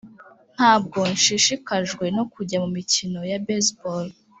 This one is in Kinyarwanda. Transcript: ntabwo nshishikajwe no kujya mumikino ya baseball.